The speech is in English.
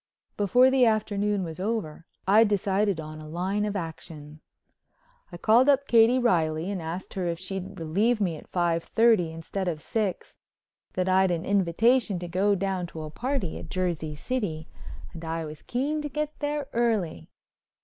Before the afternoon was over I'd decided on a line of action. I called up Katie Reilly and asked her if she'd relieve me at five thirty instead of six—that I'd an invitation to go down to a party at Jersey City and I was keen to get there early.